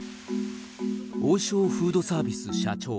王将フードサービス社長